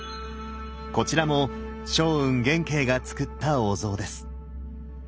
こちらも松雲元慶がつくったお像です。